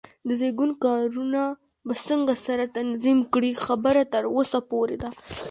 د زېږون کارونه به څنګه سره تنظیم کړې؟ خبره تر وسه پورې ده.